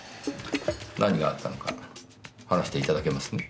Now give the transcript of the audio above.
何があったのか話していただけますね。